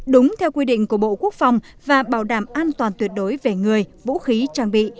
đúng theo quy định của bộ quốc phòng và bảo đảm an toàn tuyệt đối về người vũ khí trang bị